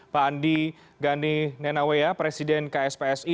pak andi gani nenawea presiden kspsi